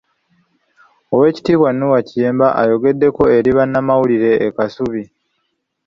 Oweekitibwa Noah Kiyimba ayogedeko eri bannamawulire e Kasubi.